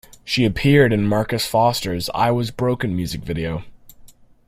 She appeared in Marcus Foster' I was Broken Music Video.